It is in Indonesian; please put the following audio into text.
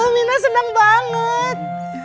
minah seneng banget